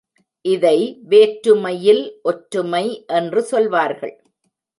இதை வேற்றுமையில் ஒற்றுமை என்று சொல்வார்கள்.